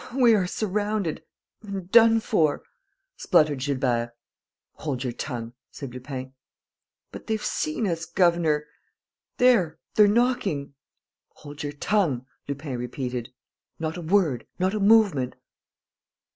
"We are surrounded ... and done for," spluttered Gilbert. "Hold your tongue," said Lupin. "But they've seen us, governor. There, they're knocking." "Hold your tongue," Lupin repeated. "Not a word. Not a movement."